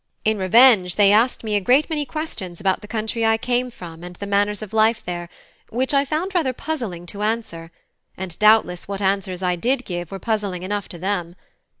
In revenge they asked me a great many questions about the country I came from and the manners of life there, which I found rather puzzling to answer; and doubtless what answers I did give were puzzling enough to them.